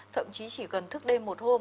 thậm chí chỉ cần thức đêm một hôm